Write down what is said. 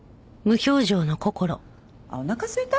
あっおなかすいた？